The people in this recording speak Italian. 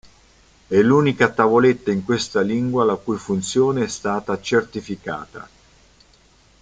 È l'unica tavoletta in questa lingua la cui funzione è stata certificata.